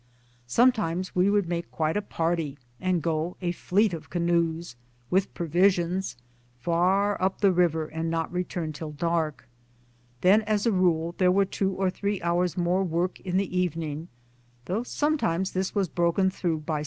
Sometimes we would make quite a party and go, a fleet of canoes, with pro visions, far up the river and not return till dark. Then as a rule there were two or three hours more work in the evening, though sometimes this was broken through by some little entertainment.